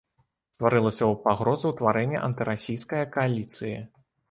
Стварылася пагроза ўтварэння антырасійская кааліцыі.